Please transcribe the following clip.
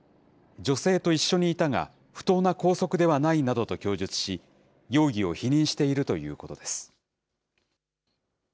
女性と一緒にいたが、不当な拘束ではないなどと供述し、容疑を否認しているということです。